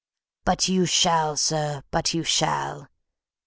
"But you shall, sir, but you shall!